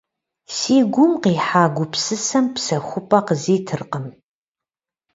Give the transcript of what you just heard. Си гум къихьа гупсысэм псэхупӀэ къызитыркъым.